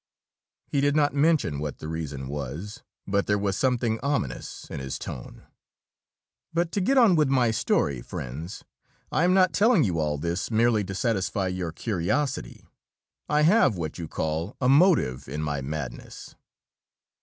He did not mention what the reason was, but there was something ominous in his tone. "But to get on with my story, friends. I am not telling you all this merely to satisfy your curiosity. I have what you call a motive in my madness!"